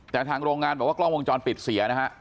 แต่ทางโรงงานบอกว่ากล้องวงจรปิดเสียนะฮะ